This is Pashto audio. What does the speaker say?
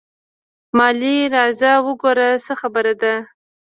مالې راځه وګوره څه خبره ده.